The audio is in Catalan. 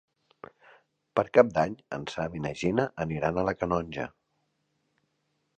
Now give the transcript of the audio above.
Per Cap d'Any en Sam i na Gina aniran a la Canonja.